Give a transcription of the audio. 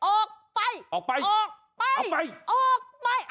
ออกไปออกไปออกไปออกไปออกไปออกไปออกไป